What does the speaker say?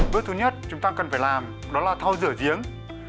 bước thứ nhất chúng ta cần phải làm đó là thao rửa giếng